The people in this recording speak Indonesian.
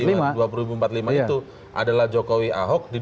dua ribu empat puluh lima itu adalah jokowi ahok di dua ribu sembilan belas